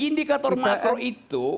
indikator makro itu